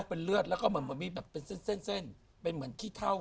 เป็นเลือดแล้วก็มันมีแบบเป็นเส้นเป็นเหมือนขี้เท่า